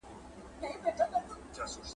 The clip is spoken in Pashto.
صالح انسانان خپل ذهنونه په ښو فکرونو باندې ډکوي.